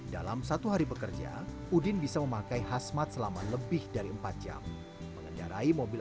dalam satu hari bekerja udin bisa memakai khasmat selama lebih dari empat jam mengendarai mobil